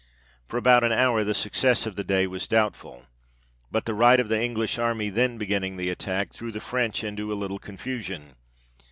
For about an hour the success of the day was doubtful ; but the right of the English army then beginning the attack, threw the French into a little con fusion.